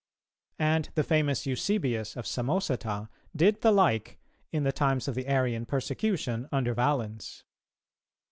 And the famous Eusebius of Samosata did the like, in the times of the Arian persecution under Valens.